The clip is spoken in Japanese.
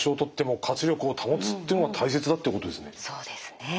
そうですね。